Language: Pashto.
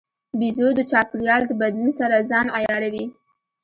بیزو د چاپېریال د بدلون سره ځان عیاروي.